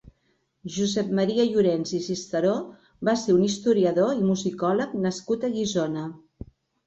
Josep Maria Llorens i Cisteró va ser un historiador i musicòleg nascut a Guissona.